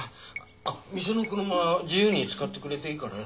あっ店の車自由に使ってくれていいからよ。